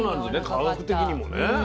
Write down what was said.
科学的にもね。